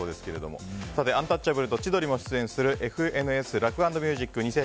アンタッチャブルと千鳥も出演する「ＦＮＳラフ＆ミュージック２０２２